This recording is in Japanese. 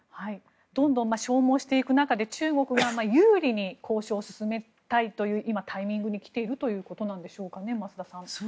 どんどん消耗していく中で中国が有利に交渉を進めたいというタイミングにきているということでしょうか増田さん。